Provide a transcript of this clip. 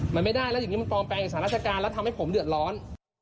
มันไม่ได้แล้วอย่างนี้มันปลอมแปลงเอกสารราชการแล้วทำให้ผมเดือดร้อน